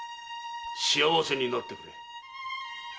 幸せになってくれ。